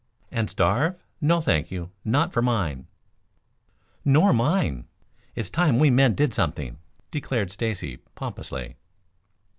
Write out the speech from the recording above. "And starve? No, thank you. Not for mine!" "Nor mine. It's time we men did something," declared Stacy pompously.